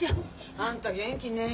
あんた元気ね。